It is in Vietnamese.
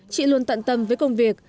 chị luôn tận tâm với công việc